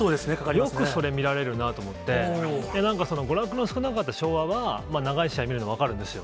よくそれ見られるなと思って、なんか娯楽の少なかった昭和は、長い試合見るの分かるんですよ。